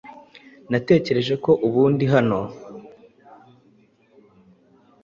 Natekereje ko ubikunda hano.